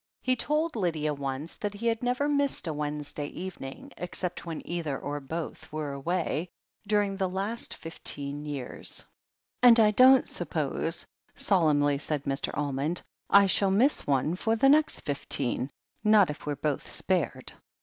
He told Lydia once that he had never missed a Wednesday evening, except when either or both were away, during the last fifteen years. THE HEEL OF ACHILLES 23 "And I don't suppose," solemnly said Mr. Almond, "I shall miss one for the next fifteen — ^not if we're both spared."